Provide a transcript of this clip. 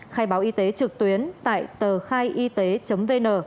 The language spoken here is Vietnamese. khai báo y tế trực tuyến tại tờ khaiyt vn